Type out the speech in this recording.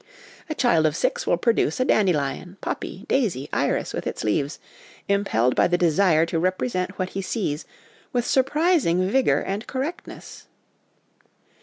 A child of six will produce a dandelion, poppy, daisy, iris with its leaves, impelled by the desire to represent what he sees, with surprising vigour and correctness.